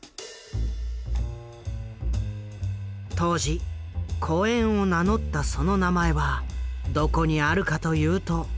当時「小ゑん」を名乗ったその名前はどこにあるかというと。